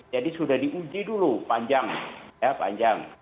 jadi sudah diuji dulu panjang